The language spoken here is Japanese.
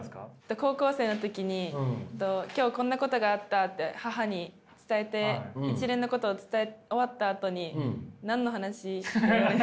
高校生の時に今日こんなことがあったって母に伝えて一連のことを伝え終わったあとに「何の話？」って言われて。